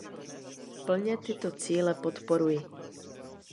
Plně tyto cíle podporuji.